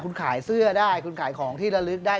คุณขายเสื้อได้คุณขายของที่ระลึกได้